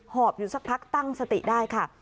อบอยู่สักพักตั้งสติได้ค่ะ